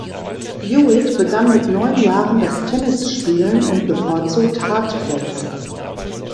Hewitt begann mit neun Jahren das Tennisspielen und bevorzugt Hartplätze.